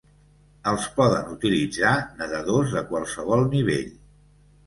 Els poden utilitzar nedadors de qualsevol nivell.